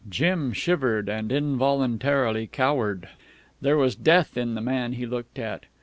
Jim shivered and involuntarily cowered. There was death in the man he looked at.